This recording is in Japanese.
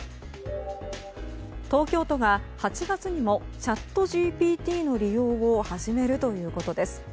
東京都が８月にもチャットＧＰＴの利用を始めるということです。